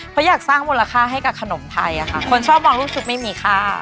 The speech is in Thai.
เพราะอยากสร้างมูลค่าให้กับขนมไทยอะค่ะคนชอบมองลูกชุบไม่มีค่า